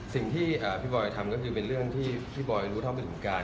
สิ่งที่พี่บอยล์ทำก็คือเป็นเรื่องที่ที่บอยล์รู้ท้องต้องการ